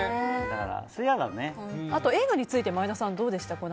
あと映画について前田さん、どうですか？